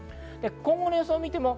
今後の予想です。